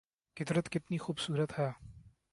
قدرت کتنی خوب صورت ہے